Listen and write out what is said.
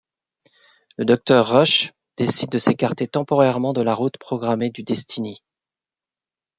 Le docteur Rush décide de s'écarter temporairement de la route programmée du Destiny.